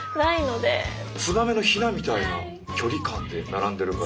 ツバメのヒナみたいな距離感で並んでるから。